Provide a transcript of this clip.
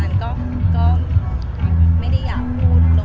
แม็กซ์ก็คือหนักที่สุดในชีวิตเลยจริง